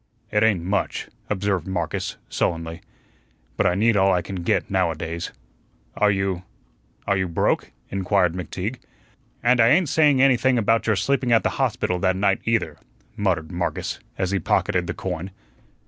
"It ain't much," observed Marcus, sullenly. "But I need all I can get now a days." "Are you are you broke?" inquired McTeague. "And I ain't saying anything about your sleeping at the hospital that night, either," muttered Marcus, as he pocketed the coin.